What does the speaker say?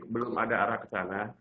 belum ada arah ke sana